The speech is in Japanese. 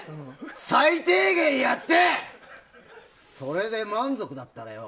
最低限やってそれで満足だったらよ